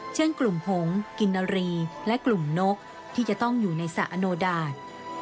เช่นกลุ่มหงษกินนารีและกลุ่มนกที่จะต้องอยู่ในสระอโนดาต